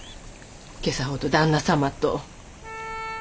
今朝ほど旦那様と。